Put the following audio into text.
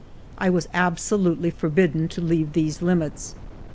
I was absolutely forbidden to leave these limits.